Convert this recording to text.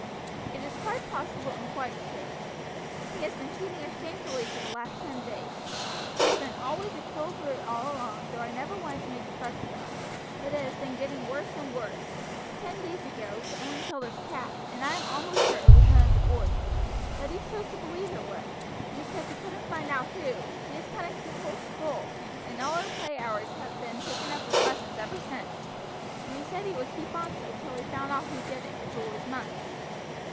"It is quite possible and quite true; he has been treating us shamefully for the last ten days; he has been always a cruel brute all along, though I never wanted to make a fuss about it, but it has been getting worse and worse. Ten days ago some one killed his cat, and I am almost sure it was none of the boys, but he chose to believe it was, and because he couldn't find out who, he has punished the whole school, and all our play hours have been taken up with lessons ever since, and he said he would keep on so till he found out who did it, if it was months.